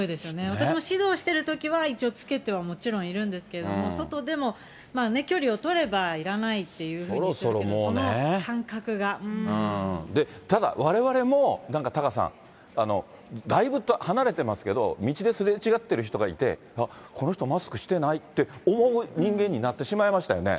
私も指導しているときは一応、着けては、もちろんいるんですけど、外でも距離を取ればいらないっていうふうに言ってるけど、その感覚が、ただ、われわれも、なんかタカさん、だいぶ離れてますけれども、道ですれ違ってる人がいて、あっ、この人マスクしてないって思う人間になってしまいましたよね。